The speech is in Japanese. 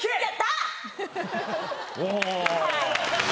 お！